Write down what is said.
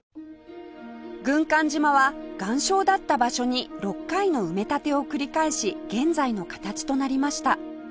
軍艦島は岩礁だった場所に６回の埋め立てを繰り返し現在の形となりました